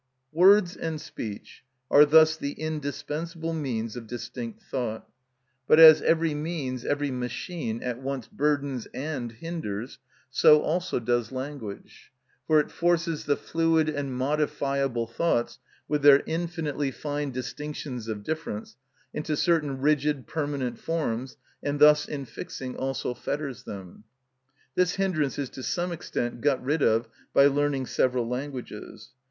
Words and speech are thus the indispensable means of distinct thought. But as every means, every machine, at once burdens and hinders, so also does language; for it forces the fluid and modifiable thoughts, with their infinitely fine distinctions of difference, into certain rigid, permanent forms, and thus in fixing also fetters them. This hindrance is to some extent got rid of by learning several languages.